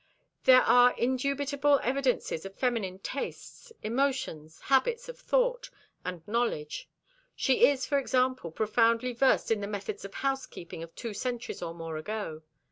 There are indubitable evidences of feminine tastes, emotions, habits of thought, and knowledge. She is, for example, profoundly versed in the methods of housekeeping of two centuries or more ago.